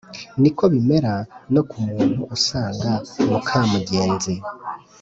Ni ko bimera no ku muntu usanga muka mugenzi